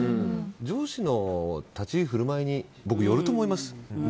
上司の立ち居振る舞いによると思います。